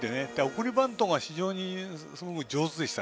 送りバントが非常に上手でした。